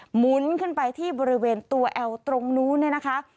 หมุนขึ้นไปที่บริเวณตัวแอลตรงนู้นเนี่ยนะคะ